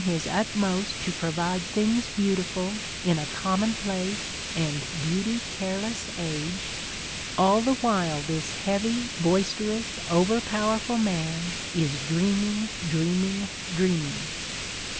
his utmost to provide things beautiful in a commonplace and beauty careless age, all the while this heavy, boisterous, over powerful man is dreaming, dreaming, dreaming.